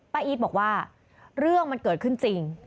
อีทบอกว่าเรื่องมันเกิดขึ้นจริง